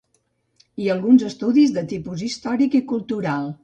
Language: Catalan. I alguns estudis de tipus històric i cultural.